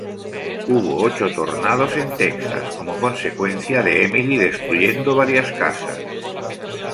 Hubo ocho tornados en Texas, como consecuencia de Emily, destruyendo varias casas.